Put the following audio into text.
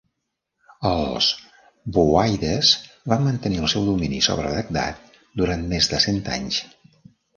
Els Buwàyhides van mantenir el seu domini sobre Bagdad durant més de cent anys.